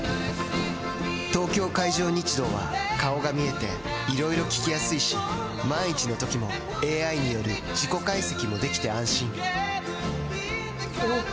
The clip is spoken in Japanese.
東京海上日動は顔が見えていろいろ聞きやすいし万一のときもＡＩによる事故解析もできて安心おぉ！